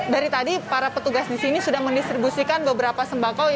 dari tadi para petugas di sini sudah mendistribusikan beberapa sembako